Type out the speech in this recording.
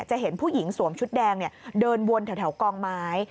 จะเห็นผู้หญิงสวมชุดแดงเดินวนแถวกองไม้